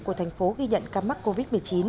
của thành phố ghi nhận ca mắc covid một mươi chín